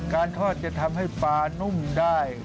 การทอดจะทำให้ปลานุ่มได้